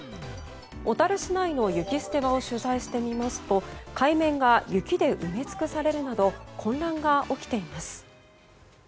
小樽市内の雪捨て場を取材してみますと海面が雪で埋め尽くされるなど混乱が起きています。